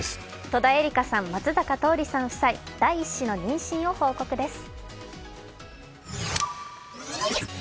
戸田恵梨香さん、松坂桃李さん夫妻、第一子の妊娠を報告です。